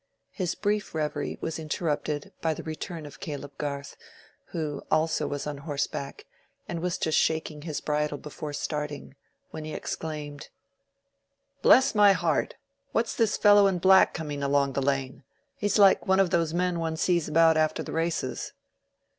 His brief reverie was interrupted by the return of Caleb Garth, who also was on horseback, and was just shaking his bridle before starting, when he exclaimed— "Bless my heart! what's this fellow in black coming along the lane? He's like one of those men one sees about after the races."